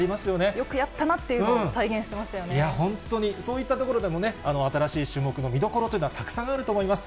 よくやったなっていうのを体いや、そういったところでも新しい種目の見どころというのはたくさんあると思います。